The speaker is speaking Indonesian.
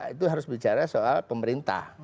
itu harus bicara soal pemerintah